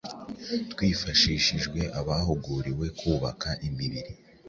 twifashishije abahuguriwe kubaka imibiri